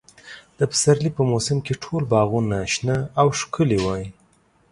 د پسرلي په موسم کې ټول باغونه شنه او ښکلي وي.